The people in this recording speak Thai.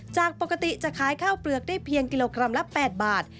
จากปกติจะขายข้าวเปลือกได้เพียงกิโลกรัมละ๘บาท